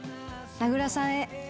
名倉さんへ。